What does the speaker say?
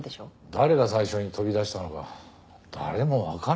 誰が最初に飛び出したのか誰もわからないなんてね。